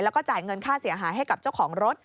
แล้วก็จ่ายเงินค่าเสียหายให้กับเจ้าของรถ